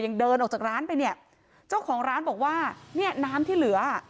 ยังเดินออกจากร้านไปเนี่ยเจ้าของร้านบอกว่าเนี่ยน้ำที่เหลือ